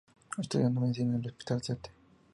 Estudiando medicina en el Hospital St.